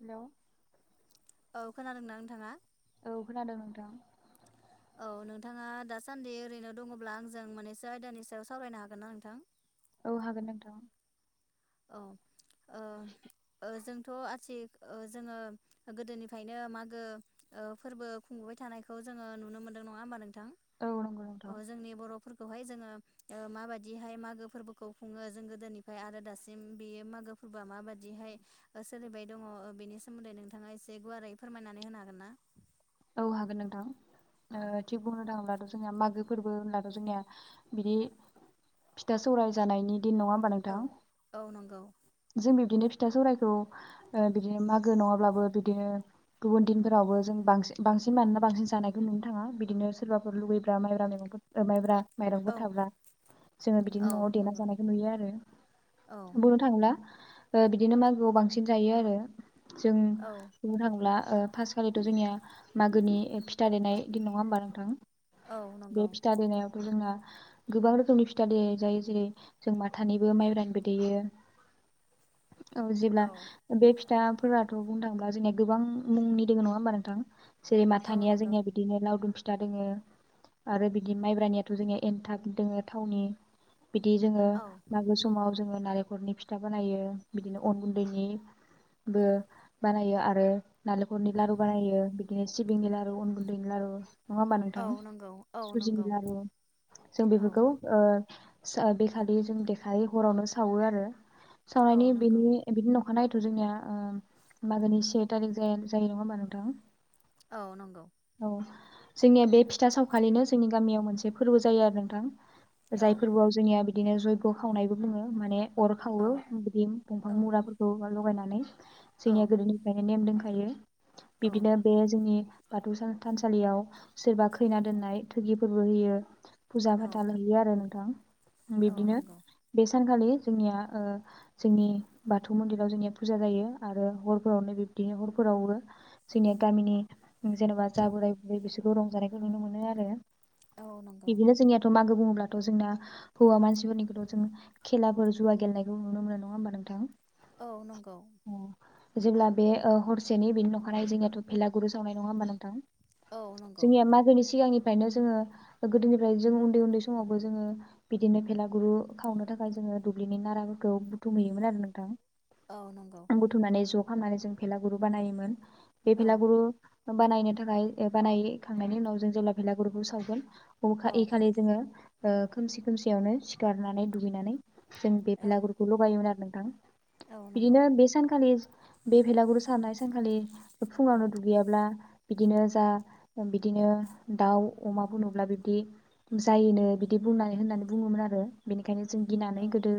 Hello औ खोनादों ना नोंथाङा? औ खोनादों नोंथां। औ नोंथाङा दासान्दि ओरैनो दङ'ब्ला आंजों मोनैसो आयदानि सायाव सावरायनो हागोन ना नोंथां? औ हागोन नोंथां। औ ओम ओ जोंथ' आथि ओ जोङो गोदोनिफ्रायनो मागो ओ फोरबो खुंबोबाय थानायखौ जोङो नुनो मोनदों नङा होमबा नों थां औ नंगौ नोंथां अ जोंनि बर' फोर खौहाय जोङो ओ माबादिहाय मागो फोरबोखौ खुङो जों गोदोनिफ्राय आरो दासिम सिम बेयो मागो फोरबोआ माबादिहाय ओ सोलिबाय दंङ ओ बेनि सोमोन्दै नोंथाङा एसे गुवारै फोरमायनानै होनो हागोन ना? औ हागोन नोंथां। औ ओ थि बुंनो थांब्लाद ओ जोंआ मागो फोरबो होननाथ' जोंनिया बिदि फिथा सौराय जानायनि दिन नङा होमबा औ नोंथां औ नंगौ जों बिब दिनो फिथा सौरायखौ ओ बिदिनो मागो नङाब्लाबो बिदिनो गुबुन दिनफोरावबो जों बांसिन बांस सिन मानोना बांसिन जानायखौ नुनो थाङा बि दिनो सोरबाफोर लुुबैब्रा माइब्रा मेगंफोर ओ माइब्रा औ माइरंफोर थाब्ला जोङो बिदिनो औ न'आव देना नंगौ जानायखौ नुयो आरो औ बुंनो थांङोब्ला ओ बिदिनो मागोआव बांसिन जायो आरो जों औ बुंनो थाङोब्ला ओ फास खालिथ' जोंनिया मागोनि ओ फिथा देनाय दिन नङा होमबा नोंथां? औ बे नंगौ फिथा देनायावथ' जोंना गोबां रोखोमनि फिथा दे जायो जेरै जों माथानिबो माइब्रानिबो देयो। औ जेब्ला बे फिथ फिथाफोराथ' बुंनो थाङोब्ला जोंनिया गोबां मुंनि दोङो नङा होमबा नोंथां? जेरै औ माथानिया नंगौ जोंनिया बिदिनो लाव दुम फिथ फिथा दङो आरो बिदि माइब्रानियाथ' जोंनिया एन्थाब दङो थावनि बिदि जोङो औ मागो समाव जोङो नारें खलनि फिथा बानायो बिदिनो अन गुन्दैनिबो बानायो आरो नालेंखरनि लारु बानाययो दिनो सिबिंनि लारु अन गुन्दैनि लारू नङा होमबा औ नोंथां? नंगौ औ सुजिनि नंगौ लारु जों औ बेफोरखौ ओ सो बेखालि जों देखायो हरावनो सावो आरो औ सावनायनि नंगौ बिनि बिदि नखर अखा नायैयथ' जोंनिया मागोनि से थारिख जाया जायो नङा होमबा नोंथां? औ नंगौ औ जोंनिया बे फिथा सावखालिनो जोंनि गामियाव मोनसे फोरबो जायो आरो नोंथां औ जाय फोरबोआव जोंनिया दिनो जयग' खावनायबो बुङो माने अर औ खावो बिदि औ दंफां मुराफोरखौ लगायनानै नै औ जोंनिया गोदोनिफ्रायनो नेम दों थायो औ बिबदिनो जोंनि बाथौ सान थानसालियाव सोरबा खैना दोननाय थुगिफोरबो होयो। फुजा औ फाथाल हैैयो आरो नोंथां औ बिब्दिनो नंगौ बे सान खालि जोंनिया जोंनिया ओ जोंनि बाथौ मन्दिराव जोंनिया फुजा जायो आरो हरफोरावनो बिब्दि हरफोराव हरो जोंनिया गामिनि जेनेबा जा बोराय बुरै बिसोरखौ रंजानायखौ नुनो मोनो आरो औ नंगौ बिदिनो जोंनियाथ' मागो बुंङो ब्लाथ' जोंना हौवा मान [unintelligible] खेलाफोर जुव गेलेनायखौ नुनो मोन नङा होमबा नोंथां? औ नंगौ अ जेब्ला बे ओ हरसेनि बेनि न'खानायै जोंनियाथ' भेलागुरु सावनाय नङा होमबा नोंथां औ नंगौ जोंनिया मागोनि सिगांनि फ्रायनो जोङो गोदोनिफ्राय जों उन्दै उन्दै समावबो जोङो बिदिनो भेला गुरु खावनो थाखाय जोङो दुब्लिनि नाराफोरखौ बुथुमहैयोमोन आरो नोंथां औ नंगौ हाना जों भेला गुरु बानायोमोन। बे औ भेलागुरु बानायनो थाखाय ए बानायखांनायनि उनाव जों जेब्ला बेलागुरुखौ सावगोन। अखा औ इ खालि जोङो ओ खोमसि खोमसियावनो सिखारनानै दुगैनानै जों बे औ भेलागुरखौ लगायोमोन आरो नों [unintelligible] औ नंगौ बिदिनो बे सानखालि बे भलागुरु सावनाय सानाय सानखालि औ फुङावनो दुगैयाब्ला बिदिनो जा बिदिनो दाउ अमाफोर नुब्ला बिबदि जायोनो बिदि बुंनानै होननानै बुङोमोन आरो बेनि खायनो जों औ गिनानै गोदो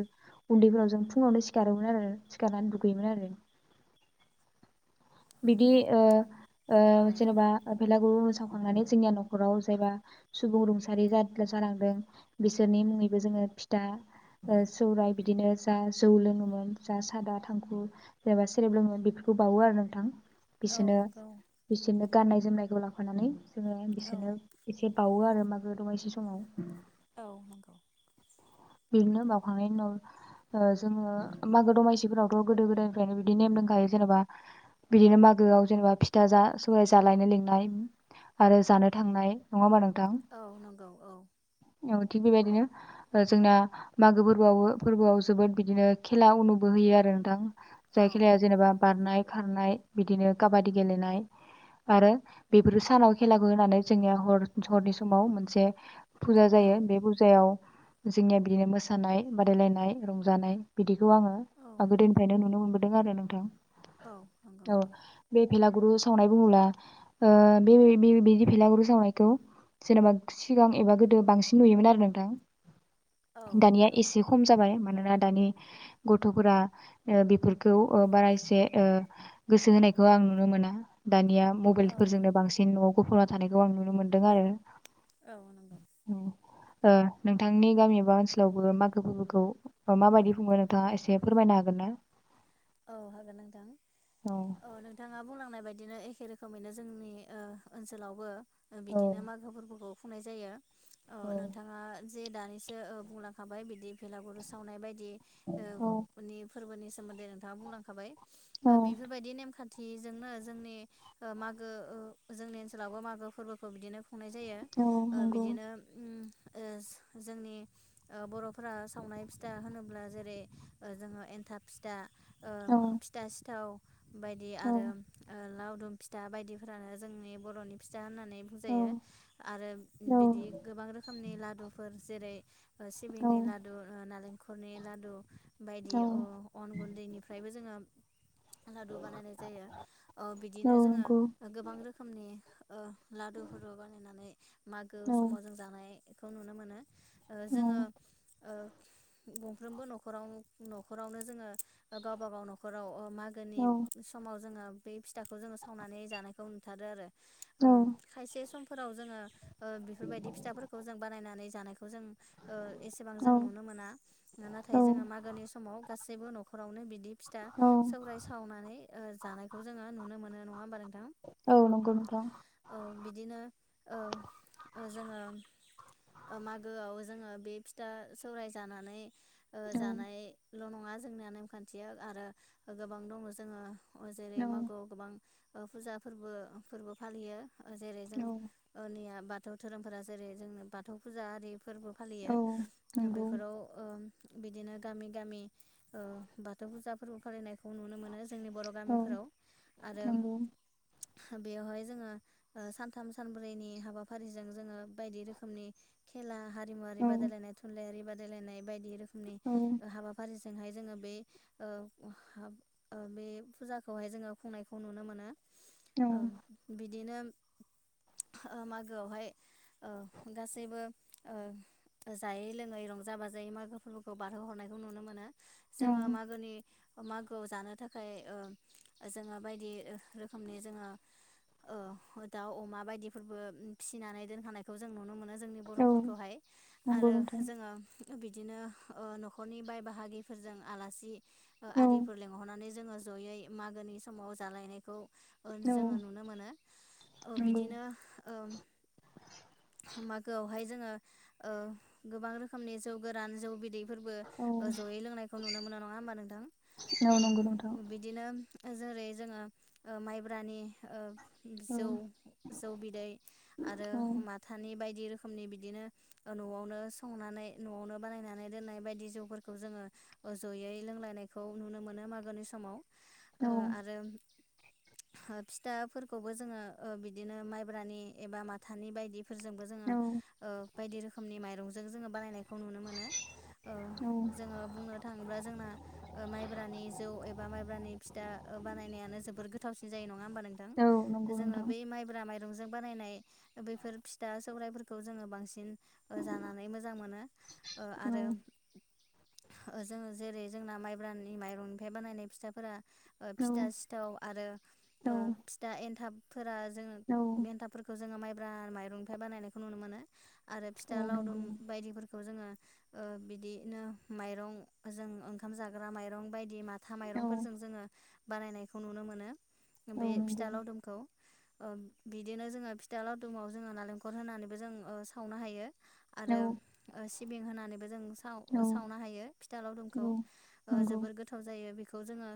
उन्दैफोराव जों फुङावनो सिखारोमोन आरो सिखारनानै दुगैयोमोन आरो। बिदि ओ ओ औ जेनेबा भैलागुरु सावखांनानै जोंनिया न'खराव जायबा सुबुं रुंसारि जालांदों बिसोरनि मुङैबो जोङो फिथा सौरायाइ बिदिनो जा जौ लोङोमोन जा सादा थांखु एबा सेरेब लोङोमोन बेफोरखौ बावो आरो थां। औ बिसोरनो नंगौ बिसोरनो गाननाय जोमनायखौ लाफानानै जोङो बिसोरनो औ एसे बावो आरो। मागो दमासि समाव औ नंगौ। बिदिनो बावखांनायनि उनाव ओ जोङो मागो दमासिफोरावथ' गोदो गोदायनिफ्रायनो बिदि नेम दोंखायो जेनेबा बिदिनो मागोआव जेनेबा फिथा जा सौराय जालायनो लिनाय आरो जानो थांनाय नङाहोम्बा नों औ नंगौ औ। थिक बेबायदिनो जोंना मागो फोर्बोआव बोफोरबोआव जोबोद बिदिनो खेला अनुबो होयो आरो नोंथां। औ जायखिजाया औ नंगौ जेनेबा बार नाय खारनाय बिदिनो काबादि गेलेनाय आरो बेफोरखो सानाव खेलाखो होनानै जोंनिया हरनि समाव मोनसे फुजा जायो बे फुजायाव जोंनिया बिदिनो मोसानाय बादायलायनाय रंजानाय बिदि खौआङो आगोल दिननिफ्रायनो नुनो मोनबोदों। मोनबोदों आरो नोंथां। औ नंगौ। औ बे भेलागुरु सावनाय बुङोब्ला ओ बे-बे भेलागुरु सावनायखौ जेनेबा सिगां एबा गोदो बांसिन नुयोमोन आरो नोंथां। दानिया नंगौ एसे खम जाबाय। मानोना दानि गथ'फोरा ओ बेफोरखौ बारा एसे ओ गोसो होनायखौ आं नुनो मोना। दानिया औ मबायेलफोरजोंनो बांसिन न'आव गुफुंना थानायखौ आं नुनो मोनदों आरो। औ नंगौ। ओ नोंथांनि गामि एबा ओनसोलावबो मागो फोरबोखौ माबायदि खुङो नोंथाङा एसे फोरमायनो हागोन ना? औ हागोन नोंथां औ नोंथाङा बुंलांनाय बायदि बिदिनो एखे रोखोमैनो जोंनि ओ ओनसोलावबो औ बिदिनो मागो फोरबोखौ खुंफुंनाय जायो। औ नोंथाङा जे दानिसो बुंलांखाबाय बिदि भेलागुरु सावनाय बायदि ओ [unintelligible] फोर्बोनि सोमोन्दै नोंथाङा बुंलांखाबाय। ओ औ बेफोरबायदि नेमखान्थि नेम खान्थिजोंनो जोंनि मागो ओ जोंनि ओनसोलावबो मागो फोरबोखौ बिदिनो खुंनाय जायो औ ओ नंगौ बिदिनो ओम ओ जोंनि बर'फोरा सावनाय फिथा होनोब्ला जेरै जोङो एनथाब फिथा ओ औ फिथा सिथाव बायदि औ आरो ओ लावदुम लावदुम फिथा बायदिफ्रानो जोंनि बर'नि फिथा होननानै औ बुंजायो आरो बिदि गोबां रोखोमनि लादुफोर जेरै औ सिबिंनि लादु ओ नारेंखलनि लादु बायदि औ अ अन गुन्दैनि जोंहा लादु बानायनाय जायो ओ औ बिदिनो जोङो नंगौ गोबां रोखोमनि ओ लादुफोर बानायनानै मागो औ समाव जों जानाय बेखौ नुना मोनो। ओ औ जोङो ओ गंफ्रोमबो न'खराव न'खरावनो जोङो गावबा गाव नखराव ओ औ मागोनि समाव जोङो बे फिथाखौ जोङो सावनानै जानायखौ नुथारो आरो। ओ खायसे सम फोराव जोङो ओ बेफोरबायदि फिथाफोरखौ जों बानायनानै जानायखो खौ जों ओ एसेबां औ जों नुनो मोना ओ औ नाथाय जोङो मागोनि समाव गासैबो न'ख खरावनो बिदि फिथा औ सौराय सावनानै ओ जानायखौ जोङो नुनो मोनो। नङा होमबा नों थां। औ नंगौ नोंथां औ बिदिनो ओ ओ जोङो ओ मागोआव जोङो बे फिथा सौराय जानानै ओ औ जानाय ल' नङा जोंना नेमखान्थिया आरो ओ गोबां दङ जोङो अ' जेरै औ मागोयाव गोबां ओ फुजा फोरबो ओ फोरबो फालियो। ओ जेरै जों औ ओ नैया बाथौ धोरोमफोरा जेरै जोंनो बाथौ फुजा आरि फोरबो फालियो। औ ओ नंगौ बेफोराव ओ बिदिनो गामि गामि ओ बाथौ फुजा फोरबो फालिनाय खौ नुनो मोनो जोंनि बर' औ गामिफोराव। आरो नंगौ हा बेवहाय जोङो ओ सानथाम सानब्रैनि हाबाफारिजों जोङो बायदि रोखोमनि खेला हा औ रिमुआरि बादायनाय थुनलाइ आरि बा दायलायनाय बायदि रोख नि ओ हाबा ओजोंहाय जोङो बे ओ हा ओ बे फुजाखौहाय जोङो खुंनायखौ नुनो मोनो। औ ओ बि दिनो ओ मागोआवहाय ओ गासैबो ओ जायै लोङै रंजा बाजायै मागो फोरबोखौ बारहोहरनायखौ नुनो मोन जोङो मागोनि मागोआव जानो थाखाय ओ जोङो बायदि रोखोमनि जोङो ओ दाउ, अमा बायदिफोरबो फिसिनानै दोनखानायखौ जों नुनो मोनो। जोंनि औ बर'फोरखौहाय। नंगौ आरो नोंथां जोङो बिदिनो ओ न'खरनि बाय बाहाग गिफोरजों आलासि ओ औ आरिफोर लेंहरनानै जोङो जयै मागोनि समाव जालायनायखौ ओ औ जोङो नुनो मोनो। बिदिनो ओ मागोआवहाय जोङो ओ गोबां रोखोमनि जौ गोरान जौ बिदै फोरबो ओ लोंनायखौ नुनो मोनो नङा होमबा नोंथां? औ नंगौ बिदिनो जेरै जोङो ओ माइब्रानि ओ जौ जौ बिदै आरो माथानि बायदि रोखो खोमनि बिदिनो ओ न'आवनो संनानै न'आवनो बानायनानै दोननाय बायदि जौफोर खौ जोङो ओ ज'यै लोंलायनायखौ नुनो मोनो मागोनि समाव। ओ आरो फिथाफोरखौबो जोङो ओ बिदिनो माइब्रानि एबा माथानि बायदि फोरजोंबो जोङो ओ बायदि रोखोमनि माइरजों जोङो बानायनाय खौ नुनो मोनो ओ औ नंगौ नोंथां औ जोङो बुंनो थाङोब्ला जोंना ओ माइब्रानि जौ एबा माइब्रानि फिथा बानायनायानो जोबोर गोथावसिन जायो होनबा नोंथां? नंगौ जोङो नोंथां औ बै माइब्रा ब्रा माइरंजों बानायनाय बैफोर फिथा सौराइफोरखौ जोङो बांसिन ओ जानानै मोजां मोनो। ओ आरो ओ जोङो जेरै जोंना माइब्रानि माइरंनिफ्राय बानायनाय फिथाफोरा ओ औ फिथा सिथाव आरो फिथा एन्थाब फोरा जोङो औ एन्थाबफोरखौ जोङो माइ ब्रा माइरंनिफ्राय बानायनायखौ नुनो मोनो। आरो फिथा औ लावदुम नंगौ बायदिफोर खौ जोङो बिदिनो माइरं जों ओंखाम जाग्रा माइरं बाय दि माथा औ माइरंफोरजों जोङो बानायनायखौ नुनो मोनो। औ बे फिथा नंगौ लावदुमखौ ओ बिदिनो जोङो फिथा लावदुमाव जोङो नालेंखर होनानैबो जों ओ सावनो हायो। औ आरो सि सिबिं होनानैबो जों साव औ [unintelligible] सावनो हायो फिथा औ लावदुमखौ। नंगौ जोबोर गोथाव जायो बे खौ जोङो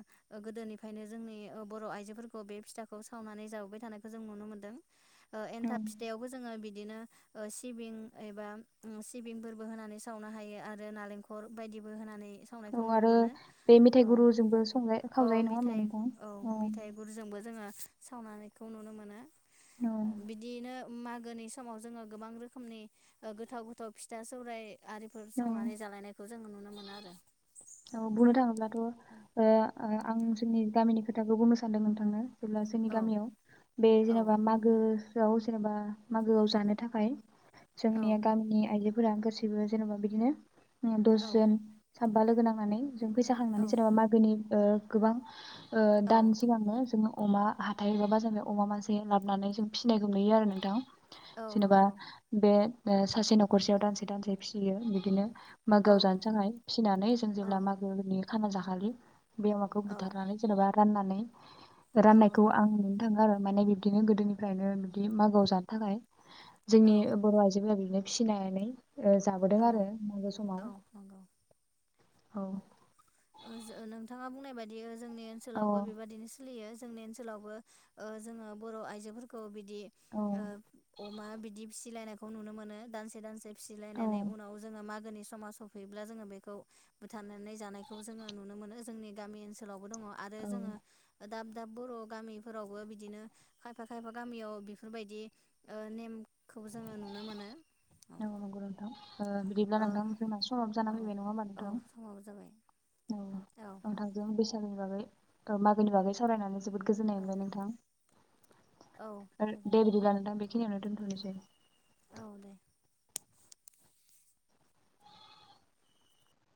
गोदोनिफ्रायनो जोंनि बर' आइजोफोरखौ बे फिथाखौ सावनानै जाबोबाय थानायखौ जों नुनो मोनदों। ओ औ एन्थाब फिथाइावबो जोङो बिद बिदिनो ओ सिबिं एबा सिबिंफोरबो होनानै सावनो हायो आरो नालेंख हर बायदिबो होनानै सावनायखौ औ नुनो आरो मोनो बे मेथाइ औ गुरुजोंबो संजा औ खावजायो नङा होमबा मिथाइ नोंथां औ। सावनानैखौ नुनो मोनो। औ बिदियैनो मागोनि समाव जोङो गोबां रोखोमनि गोथाव गोथाव फिथा सौराय आरिफोर औ सावनानै जालायनाय जोङो नुनो मोनो आरो। औ बुनों थांङोब्ला बो औ ओ। आं जोंनि गामिनि खोथाखौ बुंनो सानदों नोंथांनो। जेब्ला जोंनि गामियाव बे औ जेनेबा मागोआव जेनेबा मागोआव जानो थाखाय जोंनिया औ गामिनि आयजो फोरा गासैबो जेन'बा बिदिनो दस जोन। साबबा लोगोनां नानै जों फैसा खांनानै औ जेनबा मागोनि ओ गोबां। ओ दानि औ सिगांनो जोङो अमा हाथाय बा बाजारनिफ्राय अमा मासे लाबोनानै जों फिसिनायखौ नुयो आरो नोंथां। औ जेनेबा नंगौ बे ओ सासे न'खरसेयाव दानसे दानसे फिसियो बिदिनो औ मागोआव जानो थाखाय फिनानै औ जेब्ला मागोनि खाना जाखालि। बे अमाखौ औ बुथारनानै जेनेबा राननानै औ राननायखौ नंगौ आं नुनो थाङो आरो। माने बिब्दिनो गोदोनिफ्रायनो बिदि मागोआव जानो थाखाय औ जोंनि बर' आइजोफोरा बि नो फिसिनानै ओ जाबोदों औ आरो मागो समाव। औ अ ओ जों नों- थाङा बुंनाय बायदि- जोंनि औ ओनसोलावबो बेबादिनो सोलियो जोंनि ओनसोलावबो ओ जोङो बर' आइजोफोरखौ बि- दि औ ओ अमा बिदि फिसिलायनायखौ नुनो मोनो दानसे दानसे। औ फिसिलायनानै उनाव जोङो मागोनि समा सफैयोब्ला जोङो बेखौ बुथारनानै जानायखौ जोङो नुनो मोनो जोंनि गामि ओनसोलाव। बो दङ आरो जोंङो दाब दाब बर' गामिफोरावबो बिदिनो खायफा खायफा गामियाव बेफोरबायदि ओ नेमखौ जोङो नुनो मोनो। ओ नंगौ नंगौ नों- नोंथां। ओ बिदिब्ला औ नोंथां जोंना समाब जाना औ फैबाय नङा होमा औ नोंथां। समाबो जाबाय औ नोंथांजों बेसे- [unintelligible] मागोनि बागै सावरायनानै जोबोद गोजोननाय औ मोनबाय नोंथां। औ आरो गोजोन दे बिदिब्ला नोंथां बे- बेखिनियावनो दोंनथनोसै। औ दे।